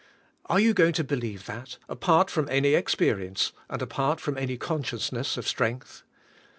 And are you going to believe that, apart fiom any ex perience, and apart from any consciousness of strength?